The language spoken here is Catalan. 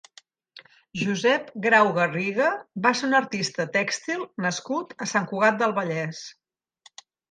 Josep Grau-Garriga va ser un artista tèxtil nascut a Sant Cugat del Vallès.